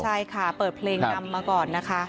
ใช่ค่ะเปิดเพลงนำมาก่อนนะคะ